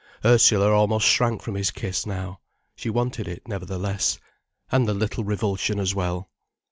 Ursula almost shrank from his kiss, now. She wanted it, nevertheless, and the little revulsion as well.